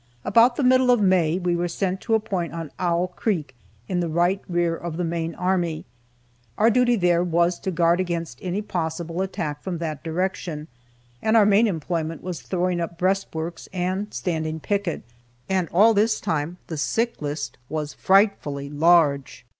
About the middle of May we were sent to a point on Owl creek, in the right rear of the main army. Our duty there was to guard against any possible attack from that direction, and our main employment was throwing up breast works and standing picket. And all this time the sick list was frightfully large.